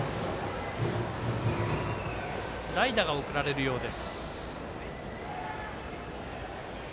代打が送られるようです。